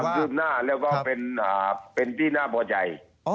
ใช่ครับมีความคืบหน้าแล้วก็เป็นที่น่าพอใจ